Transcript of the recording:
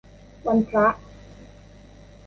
วันพระ